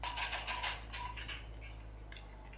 د بیان ازادي د انسان حق دی.